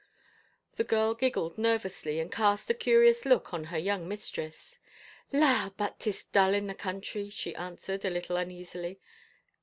" The girl giggled nervously and cast a curious look on her young mistress. " La, but 'tis dull in the country," she answered, a little tmeasily.